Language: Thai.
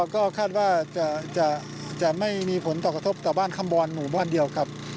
ก็คาดว่าจะไม่มีผลต่อกระทบต่อบ้านคำบอลหมู่บ้านเดียวครับ